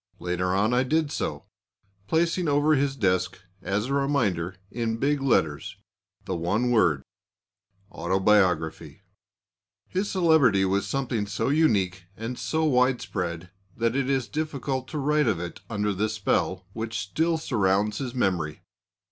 Later on I did so, placing over his desk as a reminder, in big letters, the one word "Autobiography." His celebrity was something so unique, and so widespread, that it is difficult to write of it under the spell which still surrounds his memory.